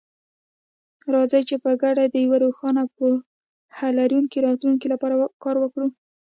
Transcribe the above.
راځئ چې په ګډه د یو روښانه او پوهه لرونکي راتلونکي لپاره کار وکړو.